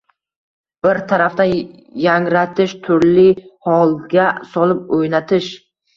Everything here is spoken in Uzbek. har tarafdan yangratish, turli holga solib o‘ynatish